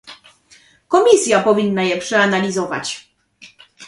Komisja powinna je przeanalizować